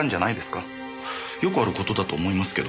よくある事だと思いますけど。